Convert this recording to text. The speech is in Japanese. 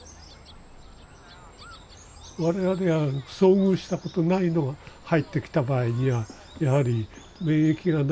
我々は遭遇したことないのが入ってきた場合にはやはり免疫がないわけですから。